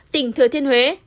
tỉnh thừa thiên huế